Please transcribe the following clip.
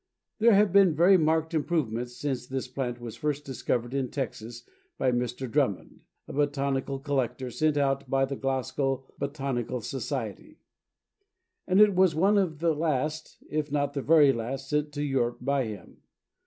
There have been very marked improvements since this plant was first discovered in Texas by Mr. Drummond, a botanical collector sent out by the Glasgow Botanical Society, and it was one of the last, if not the very last, sent to Europe by him.